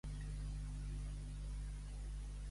Més beneit que en Pep merda.